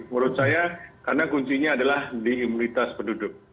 menurut saya karena kuncinya adalah di imunitas penduduk